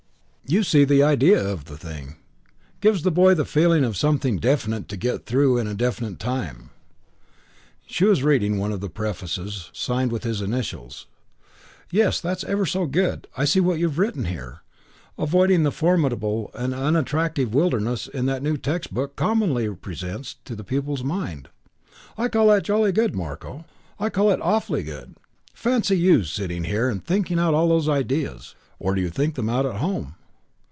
"You see the idea of the thing. Gives the boy the feeling of something definite to get through in a definite time." She was reading one of the prefaces, signed with his initials. "Yes, that's ever so good. I see what you've written here, '...avoiding the formidable and unattractive wilderness that a new textbook commonly presents to the pupil's mind.' I call that jolly good, Marko. I call it all awfully good. Fancy you sitting in here and thinking out all those ideas. Or do you think them out at home?